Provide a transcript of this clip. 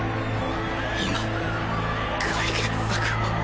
今解決策を